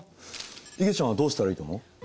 いげちゃんはどうしたらいいと思う？